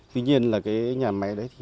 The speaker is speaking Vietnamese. tuy nhiên là cái nhà máy đấy thì